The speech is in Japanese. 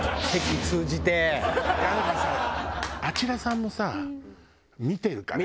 あちらさんもさ見てるからさ。